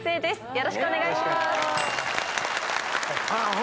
よろしくお願いします。